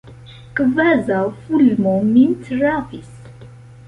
Kvazaŭ fulmo min trafis.